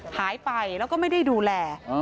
หายไปแล้วก็ไม่ได้ดูแล